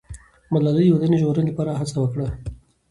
ملالۍ د وطن د ژغورنې لپاره هڅه وکړه.